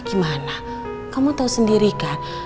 gimana kamu tahu sendiri kan